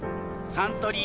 サントリー